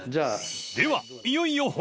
［ではいよいよ］